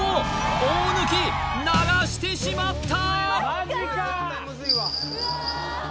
大貫鳴らしてしまった！